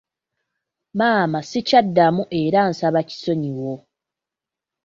Maama sikyaddamu era nsaba kisonyiwo.